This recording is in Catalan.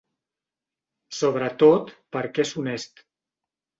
Sobretot perquè és honest.